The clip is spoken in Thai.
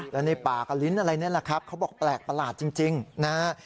แล้วในป่ากับลิ้นอะไรนี่แหละครับเขาบอกแปลกประหลาดจริงนะฮะ